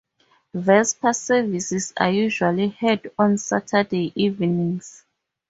Vesper services are usually held on Saturday evenings.